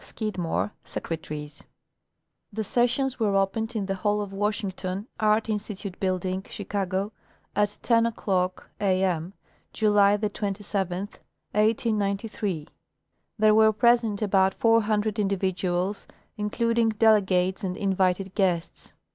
SCIDMORE, Secretaries The sessions were opened in the hall of Washington, Art Institute building, Chicago; at 10 o'clock a m, July 27, 1893. There were present about four hundred individuals, including delegates and invited guests.